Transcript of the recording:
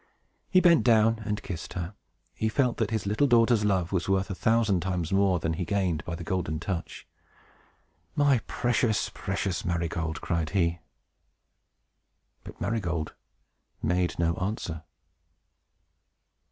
He bent down and kissed her. He felt that his little daughter's love was worth a thousand times more than he had gained by the Golden Touch. "My precious, precious Marygold!" cried he. But Marygold made no answer.